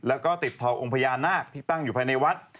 แล้วก็ติดทององค์พญานาคที่ตั้งอยู่ภายในวัด